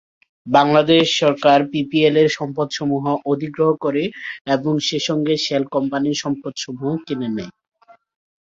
বাংলাদেশ সরকার পিপিএল-এর সম্পদসমূহ অধিগ্রহণ করে এবং সেসঙ্গে শেল কোম্পানির সম্পদসমূহও কিনে নেয়।